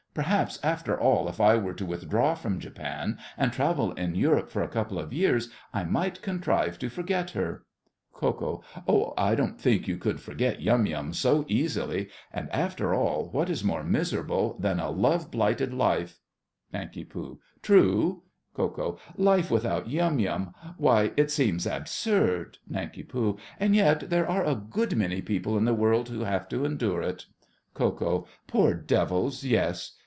Perhaps, after all, if I were to withdraw from Japan, and travel in Europe for a couple of years, I might contrive to forget her. KO. Oh, I don't think you could forget Yum Yum so easily; and, after all, what is more miserable than a love blighted life? NANK. True. KO. Life without Yum Yum—why, it seems absurd! NANK. And yet there are a good many people in the world who have to endure it. KO. Poor devils, yes!